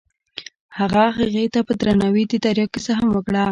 هغه هغې ته په درناوي د دریا کیسه هم وکړه.